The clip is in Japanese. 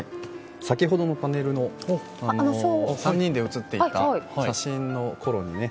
先ほどのパネル３人で写っていた写真のころにね。